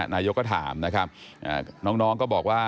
นายก็ถามนะครับ